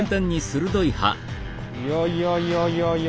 いやいやいやいやいや。